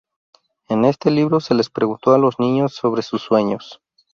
En este libro se les preguntó a los niños sobre sus sueños.